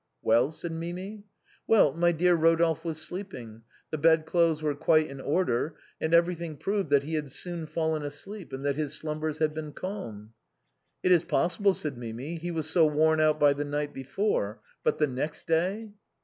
" Well ?" said Mimi. "Well, my dear Rodolphe was sleeping, the bedclothes were quite in order and everything proved that he had soon fallen asleep, and that his slumbers had been calm." " It is possible," said Mimi, "he was so worn out by the night before, but the next day